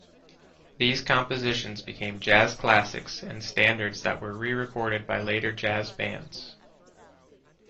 These compositions became jazz classics and standards that were re-recorded by later jazz bands.